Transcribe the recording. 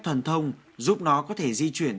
thần thông giúp nó có thể di chuyển